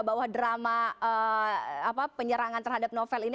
bahwa drama penyerangan terhadap novel ini